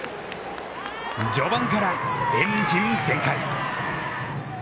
序盤から、エンジン全開！